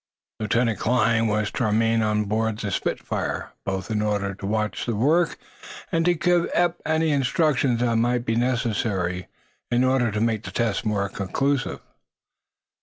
Lieutenant Kline was to remain on board the "Spitfire," both in order to watch the work and to give Eph any instructions that might be necessary in order to make the tests more conclusive.